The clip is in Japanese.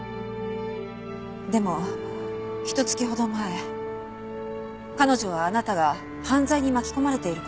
でもひと月ほど前彼女はあなたが犯罪に巻き込まれている事を知った。